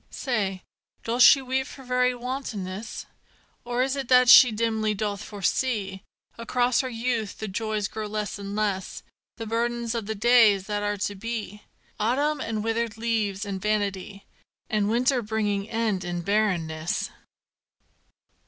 Say, doth she weep for very wantonness? Or is it that she dimly doth foresee Across her youth the joys grow less and less The burden of the days that are to be: Autumn and withered leaves and vanity, And winter bringing end in barrenness.